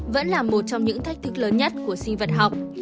vẫn là một trong những thách thức lớn nhất của sinh vật học